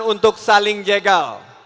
untuk saling jegal